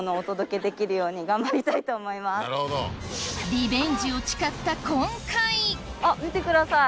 リベンジを誓った今回あっ見てください。